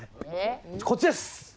こっちです！